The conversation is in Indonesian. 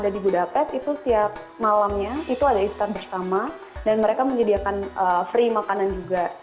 kalau di budapest sendiri untuk setiap muslim yang ada di budapest itu setiap malamnya itu ada istirahat bersama dan mereka menyediakan free makanan juga